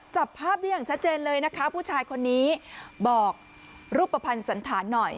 จับภาพได้อย่างชัดเจนเลยนะคะผู้ชายคนนี้บอกรูปภัณฑ์สันธารหน่อย